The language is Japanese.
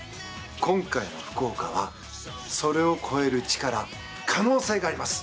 今回の福岡はそれを超える力可能性があります。